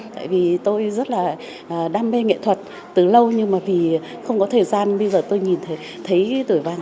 tại vì tôi rất là đam mê nghệ thuật từ lâu nhưng mà vì không có thời gian bây giờ tôi nhìn thấy tuổi văn